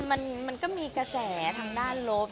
มันก็มีกระแสทางด้านลบ